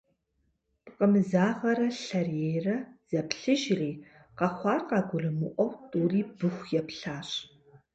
Пкъымызагъэрэ Лъэрейрэ зэплъыжри, къэхъуар къагурымыӀуэу тӀури Быху еплъащ.